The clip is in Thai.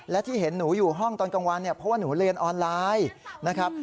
และที่เห็นหนูอยู่ห้องตอนกลางวันเนี่ยเพราะว่าหนูเรียนออนไลน์นะครับ